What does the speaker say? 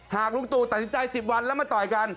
ลุงตู่ตัดสินใจ๑๐วันแล้วมาต่อยกัน